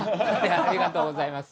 ありがとうございます。